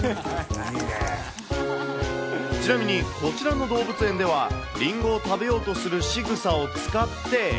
ちなみにこちらの動物園では、りんごを食べようとするしぐさを使って。